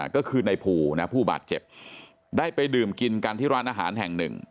ก็คือในภูนะผู้บาดเจ็บได้ไปดื่มกินกันที่ร้านอาหารแห่งหนึ่ง